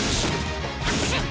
シュッ！